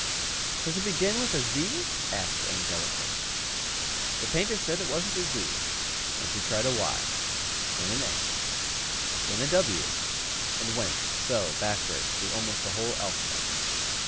"Does it begin with a Z?" asked Angelica. The Painter said it wasn't a Z; then she tried a Y; then an X; then a W, and went so backward through almost the whole alphabet.